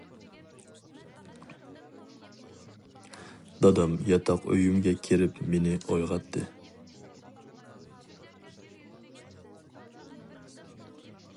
دادام ياتاق ئۆيۈمگە كىرىپ مېنى ئويغاتتى.